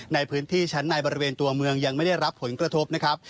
ในพื้นที่ชั้นในบริเวณตัวเมืองยังไม่ได้รับผลกระทบนะครับ